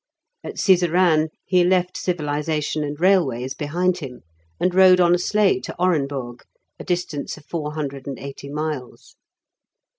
At Sizeran he left civilisation and railways behind him, and rode on a sleigh to Orenburg, a distance of four hundred and eighty miles.